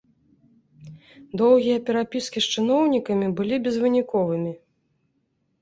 Доўгія перапіскі з чыноўнікамі былі безвыніковымі.